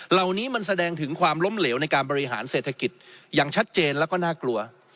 เหล่านี้มันแสดงถึงความล้มเหลวในการบริหารเศรษฐกิจอย่างชัดเจนแล้วก็น่ากลัว